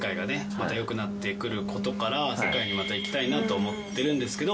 またよくなってくることから世界にまた行きたいなと思ってるんですけど